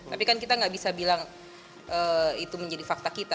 tapi kan kita nggak bisa bilang itu menjadi fakta kita